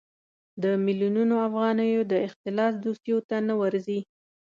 د میلیونونو افغانیو د اختلاس دوسیو ته نه ورځي.